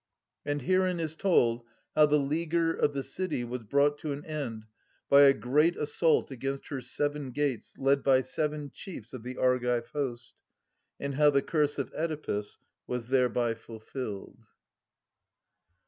And herein is told how the leaguer of the city was brought to an end by a great assault against her seven gates led by Seven Chiefs oftheArgive host ; and how the Curse of Oedipus was thereby fulfilled.